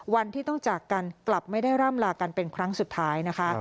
วันที่ต้องจากกันกลับไม่ได้ร่ำลากันเป็นครั้งสุดท้ายนะคะ